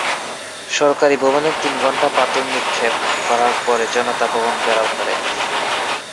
সরকারি ভবনে তিন ঘণ্টা পাথর নিক্ষেপ করার পরে জনতা ভবন ঘেরাও করে।